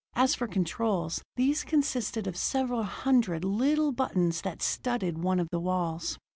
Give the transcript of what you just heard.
As for controls, these consisted of several hundred little buttons that studded one of the walls.